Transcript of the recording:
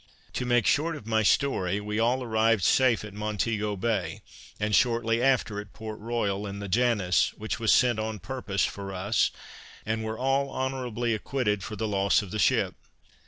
To make short of my story, we all arrived safe at Montego Bay, and shortly after at Port Royal, in the Janus, which was sent on purpose for us, and were all honorably acquitted for the loss of the ship.